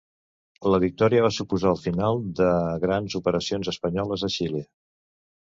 La victòria va suposar el final de grans operacions espanyoles a Xile.